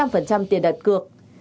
về chín mươi năm tiền đặt cược